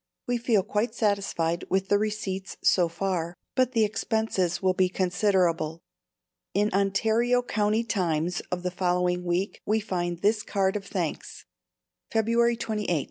We feel quite satisfied with the receipts so far, but the expenses will be considerable. In Ontario County Times of the following week we find this card of thanks: February 28.